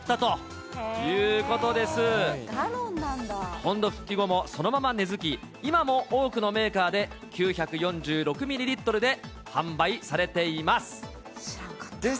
本土復帰後もそのまま根づき、今も多くのメーカーで、９４６ミリリットルで販売されています。